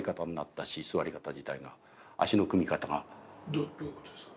どどういうことですか？